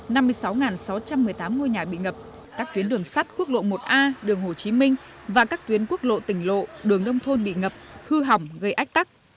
năm mươi sáu sáu trăm một mươi tám ngôi nhà bị ngập các tuyến đường sắt quốc lộ một a đường hồ chí minh và các tuyến quốc lộ tỉnh lộ đường nông thôn bị ngập hư hỏng gây ách tắc